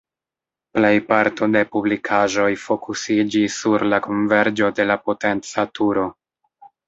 Plej parto de publikaĵoj fokusiĝis sur la konverĝo de la potenca turo.